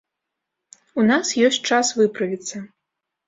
У нас ёсць час выправіцца.